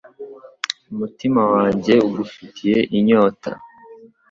Umutima wanjye ugufitiye inyota